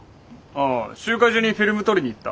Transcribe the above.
あ集会所にフィルム取りに行った。